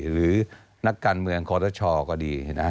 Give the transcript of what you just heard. หรือนักการเมืองคอเตอร์ช่อก็ดี